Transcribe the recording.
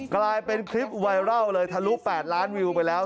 กลายเป็นคลิปไวรัลเลยทะลุ๘ล้านวิวไปแล้ว